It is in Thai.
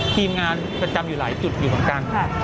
ทีมงานจำอยู่หลายจุดอยู่ข้างกัน